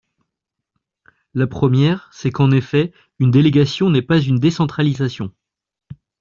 La première, c’est qu’en effet, une délégation n’est pas une décentralisation.